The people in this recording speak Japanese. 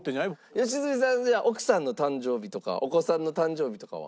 良純さん奥さんの誕生日とかお子さんの誕生日とかは？